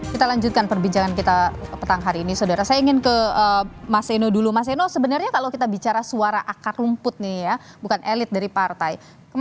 kita lanjutkan perbincangan kita petang hari ini saudara saya ingin ke mas eno dulu mas eno sebenarnya kalau kita bicara suara akar rumput nih ya bukan elit dari partai